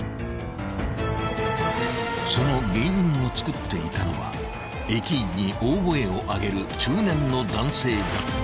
［その原因をつくっていたのは駅員に大声を上げる中年の男性だった］